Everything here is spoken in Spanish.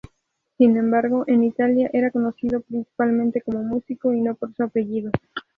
Sin embargo, en Italia era conocido principalmente como músico y no por su apellido.